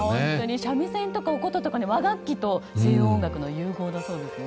三味線とお琴とか和楽器と西洋音楽の融合だそうですね。